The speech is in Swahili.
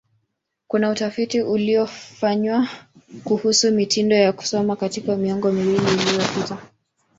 Kuna utafiti uliofanywa kuhusu mitindo ya kusoma katika miongo miwili iliyopita.